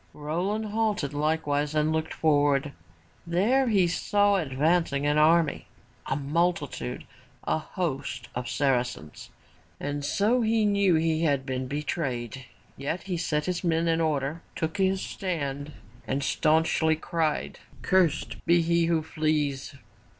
*' Roland halted likewise and looked forward. There he saw advancing, an army, a multitude, a host of Saracens. And so he knew that he had been betrayed, yet he set his men in order, took his stand and staunchly cried, Cursed be he who flees!''